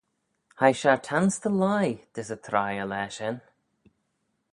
Hie shiartanse dy leih dys y traie y laa shen.